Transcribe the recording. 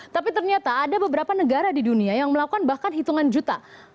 tapi ternyata ada beberapa negara di dunia yang melakukan bahkan hitungan juta